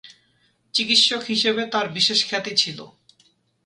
চিকিৎসক হিসেবে তার বিশেষ খ্যাতি ছিল।